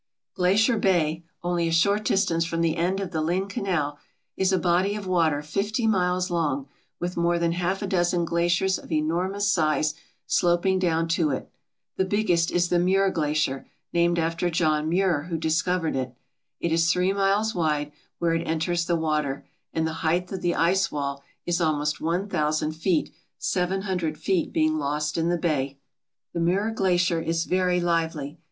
Glacier Bay, only a short distance from the end of the Lynn Canal, is a body of water fifty miles long with more than half a dozen glaciers of enormous size sloping down to it. The biggest is the Muir Glacier, named after John Muir, who discovered it. It is three miles wide where it enters the water, and the height of the ice wall is almost one thousand^feet, seven hundred feet being lost in the bay. The Miiir Glacier is very lively.